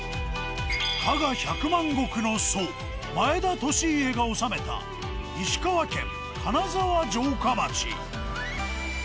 加賀百万石の祖前田利家が治めた石川県金沢城下町。